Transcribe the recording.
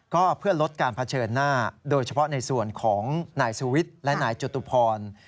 ก็เพื่อลดการเผชิญหน้าโดยเฉพาะในส่วนของนายสุวิทย์และนายจตุพร